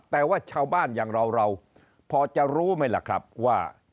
แต่ว่าชาวบ้านอย่างเราเราพอจะรู้ไหมล่ะครับว่า